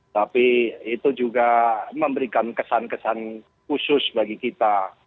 tapi itu juga memberikan kesan kesan khusus bagi kita